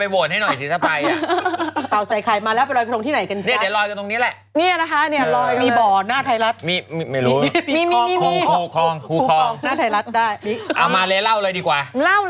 เอามาเล่ะเล่าเลยดีกว่า